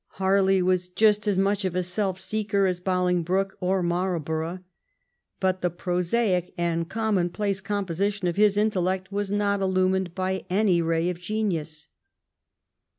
Harley was just as much of a self seeker as Bolingbroke or Marlborough, but the prosaic and conunonplace composition of his in tellect was not illumined by any ray of genius.